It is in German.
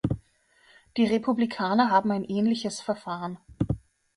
Die Republikaner haben ein ähnliches Verfahren.